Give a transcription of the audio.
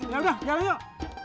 yaudah jalan yuk